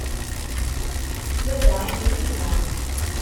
Baba iḥemmel yemma.